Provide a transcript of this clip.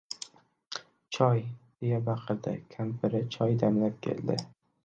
— Choy! — deya baqirdi. Kampiri choy damlab keldi.